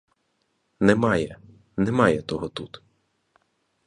Немає, немає того тут.